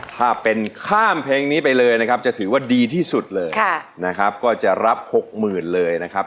ถ้าเป็นข้ามเพลงนี้ไปเลยนะครับจะถือว่าดีที่สุดเลยนะครับก็จะรับ๖๐๐๐เลยนะครับ